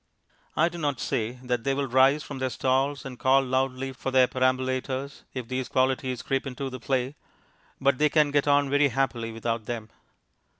I do not say that they will rise from their stalls and call loudly for their perambulators, if these qualities creep into the play, but they can get on very happily without them.